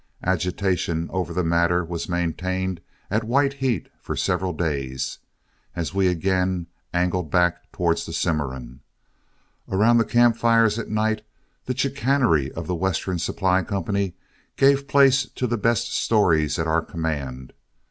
Agitation over the matter was maintained at white heat for several days, as we again angled back towards the Cimarron. Around the camp fires at night, the chicanery of The Western Supply Company gave place to the best stories at our command.